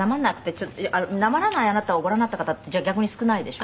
なまらないあなたをご覧になった方ってじゃあ逆に少ないでしょ？